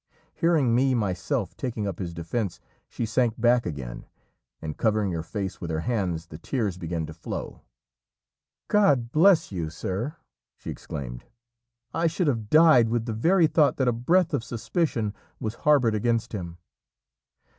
Hearing me myself taking up his defence, she sank back again, and covering her face with her hands, the tears began to flow. "God bless you, sir!" she exclaimed. "I should have died with the very thought that a breath of suspicion was harboured against him."